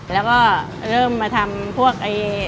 แล้วก็เริ่มมาทำพวก